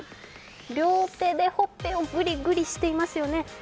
両手でほっぺをぐりぐりしていますよね。